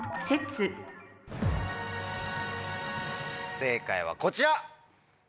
正解はこちら。